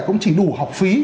cũng chỉ đủ học phí